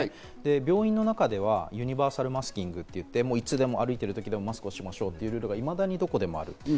病院の中ではユニバーサルマスキングと言って、いつでも歩いてる時にマスクをしましょうという状況が今でもある。